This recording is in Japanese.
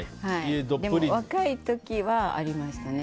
若い時はありましたね。